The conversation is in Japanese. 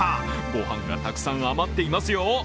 ご飯がたくさん余っていますよ。